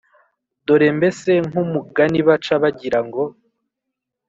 dore mbese nk’umgani baca bagira ngo